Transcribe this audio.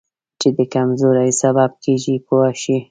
چې د کمزورۍ سبب کېږي پوه شوې!.